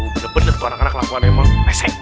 bener bener tuh anak anak lakuan emang mesek